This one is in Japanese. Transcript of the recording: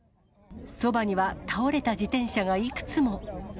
そばには倒れた自転車がいくつも。